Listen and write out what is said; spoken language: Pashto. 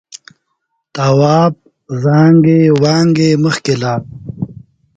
تواب زانگې وانگې مخکې لاړ.